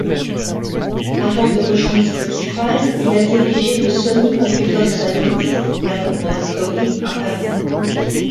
Avant de rejoindre Spotify, il a dirigé le Sony Computer Science Laboratory à Paris.